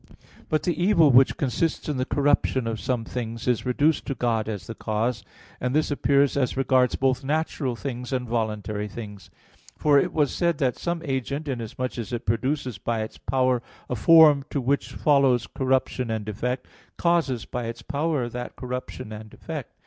But the evil which consists in the corruption of some things is reduced to God as the cause. And this appears as regards both natural things and voluntary things. For it was said (A. 1) that some agent inasmuch as it produces by its power a form to which follows corruption and defect, causes by its power that corruption and defect.